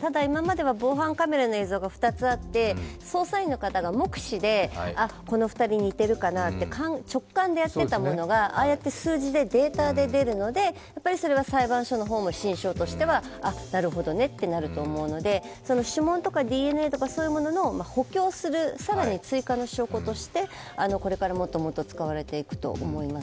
ただ、今までは防犯カメラの映像が２つあって２つあって、捜査員の方が目視で、あっこの２人似てるかなって直感でやっていたものがああやって数字でデータで出るのでそれは裁判所の方も心証としてはなるほどねってなると思うので指紋とかＤＮＡとかそういうものを補強する、更に追加の証拠としてこれからもっともっと使われていくと思います。